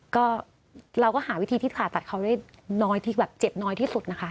ก็เราก็หาวิธีที่ผ่าตัดเขาได้น้อยที่แบบเจ็บน้อยที่สุดนะคะ